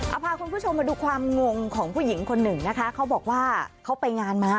เอาพาคุณผู้ชมมาดูความงงของผู้หญิงคนหนึ่งนะคะเขาบอกว่าเขาไปงานมา